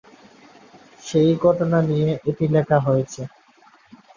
সেই ঘটনা নিয়ে এটি লেখা হয়েছে।